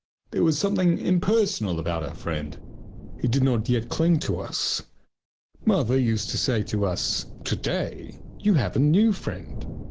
There was something impersonal about our friend he did not yet cling to us. Mother used to say to us: "To day you have a new friend!"